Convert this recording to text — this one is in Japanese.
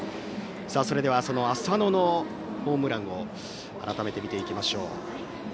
その浅野のホームランを改めて見ていきましょう。